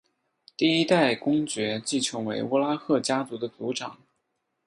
第一代公爵即成为乌拉赫家族的族长。